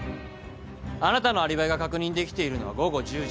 あなたのアリバイが確認できているのは午後１０時。